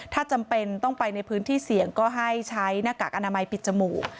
ถ้าจำเป็นต้องไปในพื้นที่เสี่ยงก็ให้ใช้หน้ากากอนามัยปิดจมูก